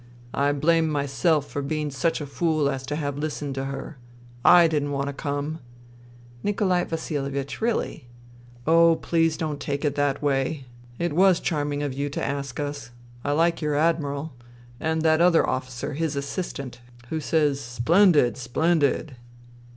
" I blame myself for being such a fool as to have listened to her. I didn't want to come." " Nikolai Vasihevich, really !"" Oh, please don't take it that way. It was charming of you to ask us. I like your Admiral ... and that other officer, his assistant, who says ' Splen did ! Splendid!'"